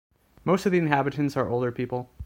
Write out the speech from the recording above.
Most of the inhabitants are older people.